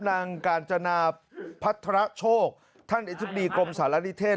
นางกาญจนาพัฒระโชคท่านอธิบดีกรมสารณิเทศ